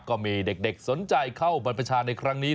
ก็มีเด็กสนใจเข้าบรรพชาในครั้งนี้